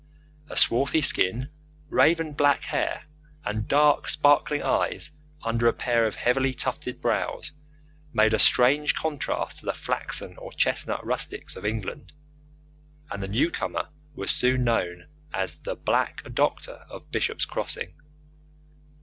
A swarthy skin, raven black hair, and dark, sparkling eyes under a pair of heavily tufted brows made a strange contrast to the flaxen or chestnut rustics of England, and the newcomer was soon known as "The Black Doctor of Bishop's Crossing."